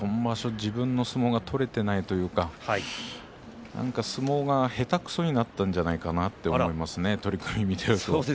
自分の相撲が取れていないというかなんか相撲が下手くそになったんじゃないかなと思います取組を見ていると。